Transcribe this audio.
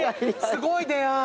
すごい出会い！